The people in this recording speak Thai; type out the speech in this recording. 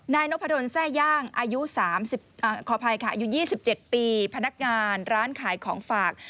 นายนพดลแซ่ย่างอายุ๒๗ปีพนักงานร้านขายของฝาก